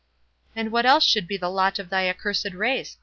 "And what else should be the lot of thy accursed race?"